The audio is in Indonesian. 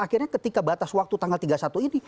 akhirnya ketika batas waktu tanggal tiga puluh satu ini